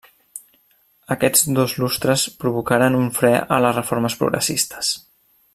Aquests dos lustres provocaren un fre a les reformes progressistes.